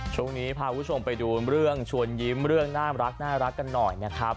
ช่วงนี้พาคุณผู้ชมไปดูเรื่องชวนยิ้มเรื่องน่ารักกันหน่อยนะครับ